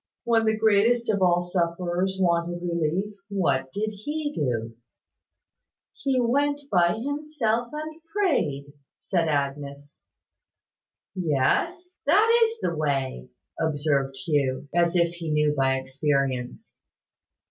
When the greatest of all sufferers wanted relief, what did He do?" "He went by Himself, and prayed," said Agnes. "Yes, that is the way," observed Hugh, as if he knew by experience.